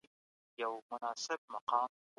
اسلام د بشر فطري غوښتنو ته ځواب وایي.